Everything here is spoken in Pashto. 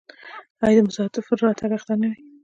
آیا د مسافر راتګ اختر نه وي؟